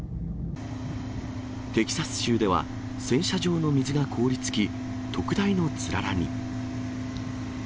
テキサス州では、洗車場の水が凍りつき、特大のつららに。